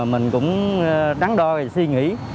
mình cũng đắn đo suy nghĩ